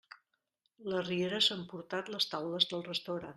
La riera s'ha emportat les taules del restaurant.